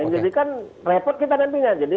jadi kan repot kita nantinya jadi